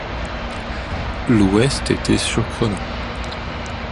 L’ouest était surprenant.